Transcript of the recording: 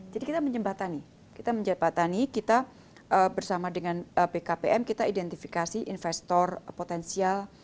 jadi kita menjembatani kita bersama dengan pkpm kita identifikasi investor potensial